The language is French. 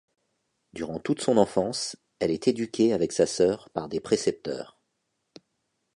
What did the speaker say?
Durant toute son enfance, elle est éduquée avec sa sœur par des précepteurs.